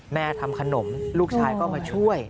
ทำขนมลูกชายก็มาช่วย